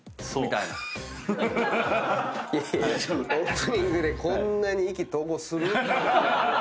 いやいやオープニングでこんなに意気投合する？